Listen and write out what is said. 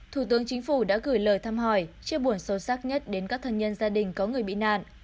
thủ tướng chính phủ đã gửi lời thăm hỏi chia buồn sâu sắc nhất đến các thân nhân gia đình có người bị nạn